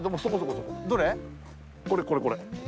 これこれこれ。